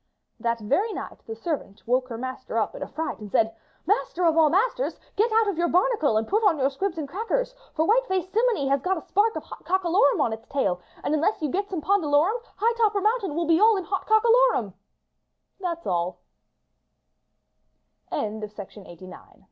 " That very night the servant woke her master up in a fright and said, "Master of all masters, get out of your barnacle and put on your squibs and crackers. For white faced simminy has got a spark of hot cocka lorum on its tail, and unless you get some pondalorum high topper mountain will be all on hot cockaloru